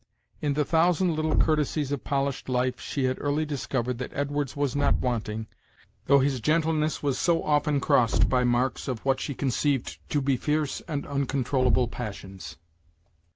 In the thousand little courtesies of polished life she had early discovered that Edwards was not wanting, though his gentleness was so often crossed by marks of what she conceived to be fierce and uncontrollable passions.